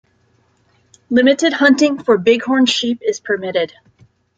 Limited hunting for bighorn sheep is permitted.